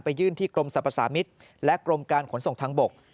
ยื่นที่กรมสรรพสามิตรและกรมการขนส่งทางบก